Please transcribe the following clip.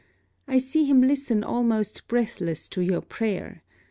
I see him listen almost breathless to your prayer.